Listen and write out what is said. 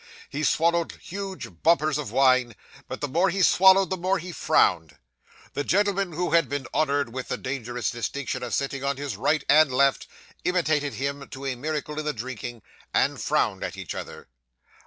He swallowed huge bumpers of wine, but the more he swallowed, the more he frowned. The gentlemen who had been honoured with the dangerous distinction of sitting on his right and left, imitated him to a miracle in the drinking, and frowned at each other.